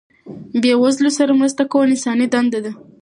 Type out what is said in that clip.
بې وزلو سره مرسته کول انساني دنده ده.